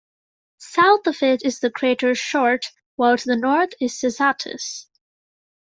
South of it is the crater Short, while to the north is Cysatus.